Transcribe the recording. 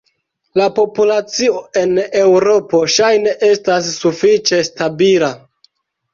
La populacio en Eŭropo ŝajne estas sufiĉe stabila.